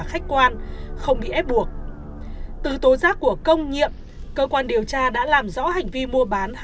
khách quan không bị ép buộc từ tố giác của công nhiệm cơ quan điều tra đã làm rõ hành vi mua bán